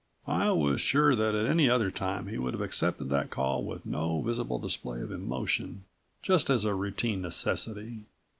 I was sure that at any other time he'd have accepted that call with no visible display of emotion, just as a routine necessity.